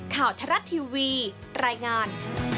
ข่าวทรัฐทีวีรายงาน